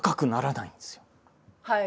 はい。